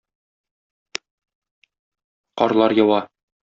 Карлар ява...